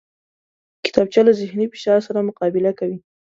کتابچه له ذهني فشار سره مقابله کوي